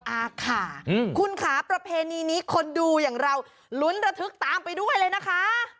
อาค่ะคุณค่ะประเพณีนี้คนดูอย่างเราลุ้นระทึกตามไปด้วยเลยนะคะ